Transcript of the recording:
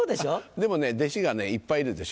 でもね弟子がいっぱいいるでしょ。